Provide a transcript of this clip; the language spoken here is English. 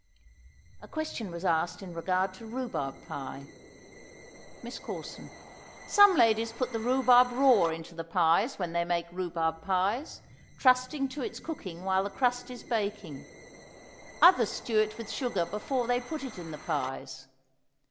(A question was asked in regard to rhubarb pie.) MISS CORSON. Some ladies put the rhubarb raw into the pies when they make rhubarb pies, trusting to its cooking while the crust is baking; others stew it with sugar before they put it in the pies.